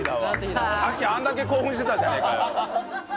さっきあんだけ興奮してたじゃねえかよ！